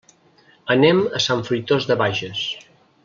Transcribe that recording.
Anem a Sant Fruitós de Bages.